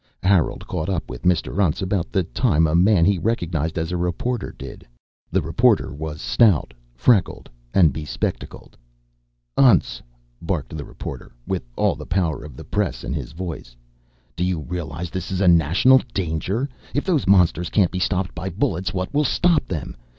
Harold caught up with Mr. Untz about the time a man he recognized as a reporter did. The reporter was stout, freckled and bespectacled. "Untz!" barked the reporter, with all the power of the press in his voice, "do you realize this is a national danger? If those monsters can't be stopped by bullets, what will stop them?